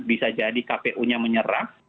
bisa jadi kpu nya menyerang